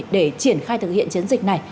để triển khai thực hiện chiến dịch này